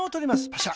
パシャ。